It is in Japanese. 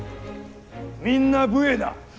みんな武衛だ。